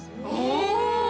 お！